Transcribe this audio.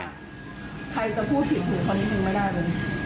ใครจะพูดผิดหนูคนนี้คงไม่ได้เลย